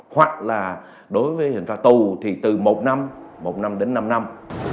hoặc là đối với hình phạt tù thì từ một năm một năm đến năm năm